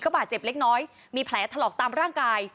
บาดเจ็บเล็กน้อยมีแผลถลอกตามร่างกาย